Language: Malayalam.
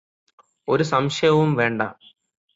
ഒരു സംശയവും വേണ്ട.